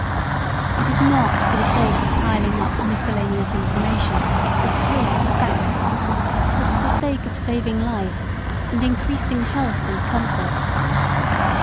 It is not for the sake of piling up miscellaneous information or curious facts, but for the sake of saving life and increasing health and comfort.